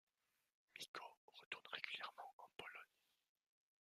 Miko retourne régulièrement en Pologne.